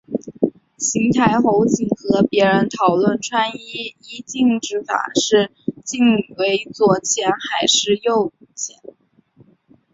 行台侯景和别人讨论穿衣衣襟之法是襟为左前还是右前。